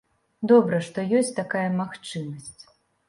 Добра, што ёсць такая магчымасць.